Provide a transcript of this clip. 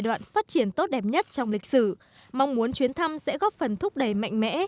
đoạn phát triển tốt đẹp nhất trong lịch sử mong muốn chuyến thăm sẽ góp phần thúc đẩy mạnh mẽ